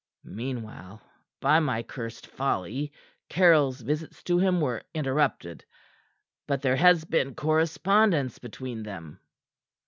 Meanwhile, by my cursed folly, Caryll's visits to him were interrupted. But there has been correspondence between them."